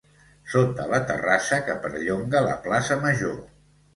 Sota la terrassa que perllonga la Plaça Major.